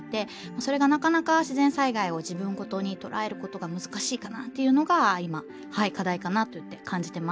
それがなかなか自然災害を自分事に捉えることが難しいかなというのが今課題かなと感じてます。